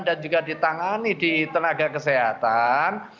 dan juga ditangani di tenaga kesehatan